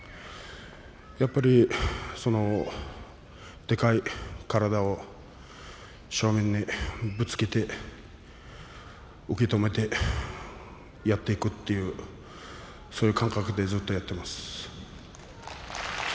やっぱり、でかい体を正面にぶつけて、受け止めてやっていくというそういう感覚でずっとやっています。